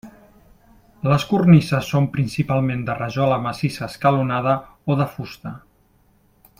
Les cornises són principalment de rajola massissa escalonada o de fusta.